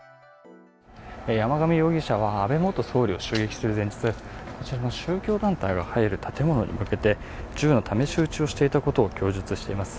山上容疑者は安倍元総理を襲撃する前日、こちらの宗教団体が入る建物に向けて銃の試し撃ちをしていたことを供述しています。